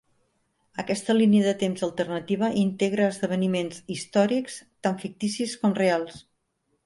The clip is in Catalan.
Aquesta línia de temps alternativa integra esdeveniments històrics tant ficticis com reals.